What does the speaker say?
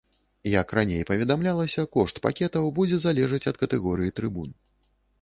Як раней паведамлялася, кошт пакетаў будзе залежаць ад катэгорыі трыбун.